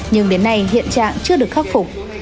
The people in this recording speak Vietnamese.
nhưng đến nay hiện trạng chưa được khắc phục